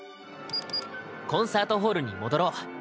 コンサートホールに戻ろう。